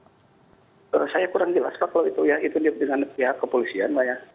saya kurang jelas pak kalau itu ya itu dengan pihak kepolisian mbak ya